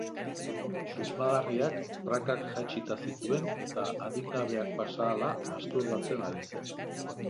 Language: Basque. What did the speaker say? Susmagarriak prakak jaitsita zituen eta adingabeak pasa ahala masturbatzen ari zen.